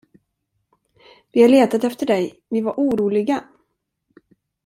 Vi har letat efter dig, vi var oroliga!